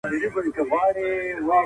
ځوانان بايد د حقايقو پلټنه وکړي.